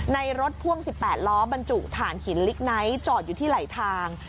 รถพ่วง๑๘ล้อบรรจุฐานหินลิกไนท์จอดอยู่ที่ไหลทาง